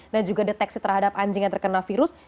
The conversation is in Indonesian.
dan juga deteksi terhadap anjing yang terkena virus